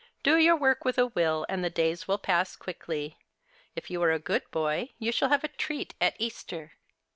Do your work with a will, and the days will pass quickly. If you are a good boy, you shall have a treat at Easter."